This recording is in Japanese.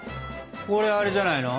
これあれじゃないの？